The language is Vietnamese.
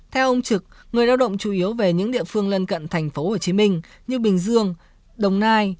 theo ông trực người lao động chủ yếu về những địa phương lân cận tp hcm như bình dương đồng nai